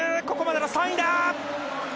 ここまでの３位だ。